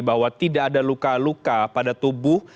bahwa tidak ada luka luka pada tubuh